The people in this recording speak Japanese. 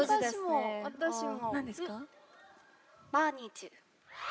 私も。